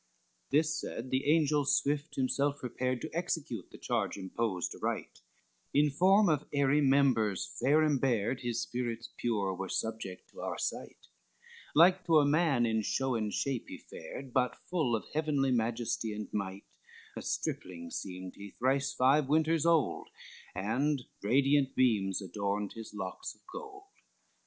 XIII This said, the angel swift himself prepared To execute the charge imposed aright, In form of airy members fair imbared, His spirits pure were subject to our sight, Like to a man in show and shape he fared, But full of heavenly majesty and might, A stripling seemed he thrive five winters old, And radiant beams adorned his locks of gold.